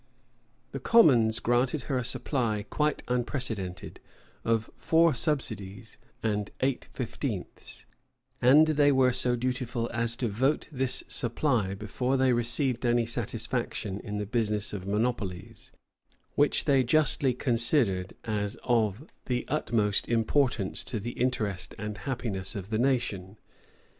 The commons granted her a supply quite unprecedented, of four subsidies and eight fifteenths; and they were so dutiful as to vote this supply before they received any satisfaction in the business of monopolies, which they justly considered as of the utmost importance to the interest and happiness of the nation.